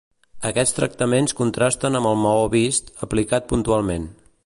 Aquests tractaments contrasten amb el maó vist, aplicat puntualment.